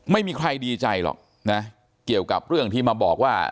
ไม่มีใครดีใจหรอกนะเกี่ยวกับเรื่องที่มาบอกว่า